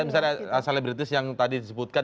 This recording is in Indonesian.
misalnya selebritis yang tadi disebutkan